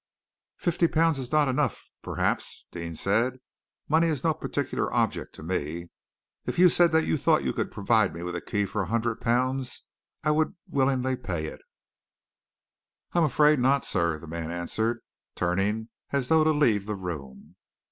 "Fifty pounds is not enough, perhaps," Deane said. "Money is no particular object to me. If you said that you thought you could provide me with the key for a hundred pounds, I would willingly pay it." "I am afraid not, sir," the man answered, turning as though to leave the room.